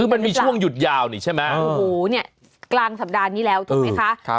คือมันมีช่วงหยุดยาวนี่ใช่ไหมโอ้โหเนี่ยกลางสัปดาห์นี้แล้วถูกไหมคะ